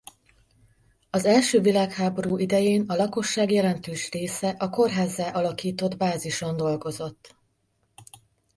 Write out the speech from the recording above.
Az első világháború idején a lakosság jelentős része a kórházzá alakított bázison dolgozott.